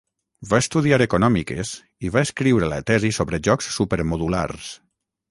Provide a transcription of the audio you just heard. Va estudiar Econòmiques i va escriure la tesi sobre jocs supermodulars.